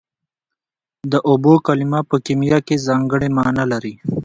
د اوبو کلمه په کیمیا کې ځانګړې مانا لري